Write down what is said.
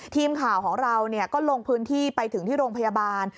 ทีมข่าวของเราก็ลงพื้นที่ไปถึงที่โรงพยาบาล